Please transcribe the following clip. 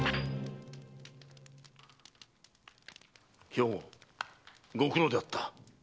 兵庫ご苦労であった。